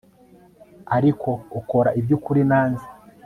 ariko ukora ibyukuri naze